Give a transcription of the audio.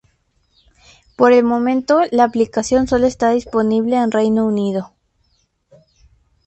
Por el momento, la aplicación solo está disponible en Reino Unido.